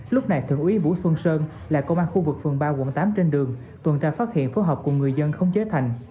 lúc này thượng úy vũ xuân sơn là công an khu vực phường ba quận tám trên đường tuần tra phát hiện phố học của người dân không chế thành